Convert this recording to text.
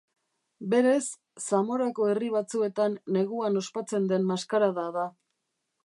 Berez, Zamorako herri batzuetan neguan ospatzen den maskarada da.